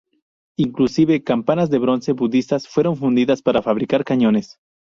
Inclusive campanas de bronce budistas fueron fundidas para fabricar cañones.